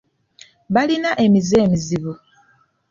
Balina emize emizibu